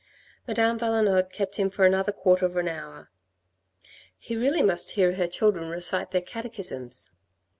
Madame Valenod kept him for another quarter of an hour. He really must hear her children recite their catechisms.